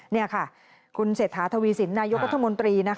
นี่ค่ะคุณเศรษฐาทวีสินนายกรัฐมนตรี